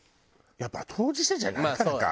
やっぱ当事者じゃないからか。